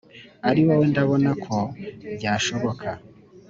Ari wowe ndabona ko byashoboka!"